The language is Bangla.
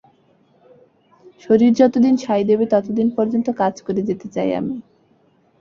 শরীর যতদিন সাঁয় দেবে, ততদিন পর্যন্ত কাজ করে যেতে চাই আমি।